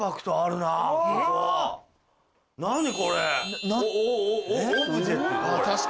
何これ。